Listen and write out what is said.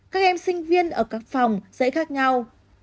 các em sinh viên ở các phòng dạy khác nhau